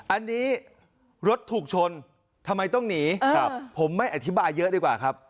อันนี้รถถูกชนทำไมต้องหนีผมไม่อธิบายเยอะดีกว่าครับ